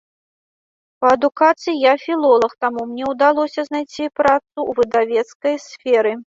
Па адукацыі я філолаг, таму мне ўдалося знайсці працу ў выдавецкай сферы.